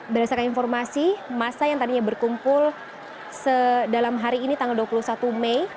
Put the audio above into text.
berdasarkan informasi masa yang tadinya berkumpul dalam hari ini tanggal dua puluh satu mei